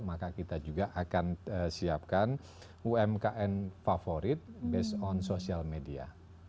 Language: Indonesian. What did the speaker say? maka kita juga akan siapkan umkm favorit based on social media